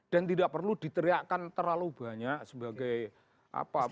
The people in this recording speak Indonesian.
dan tidak perlu diteriakan terlalu banyak sebagai apa pun